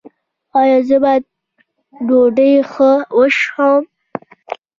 ایا زه باید ډوډۍ ښه وژووم؟